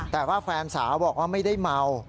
แต่ว่าแฟนสาวบอกว่าไม่ได้เมา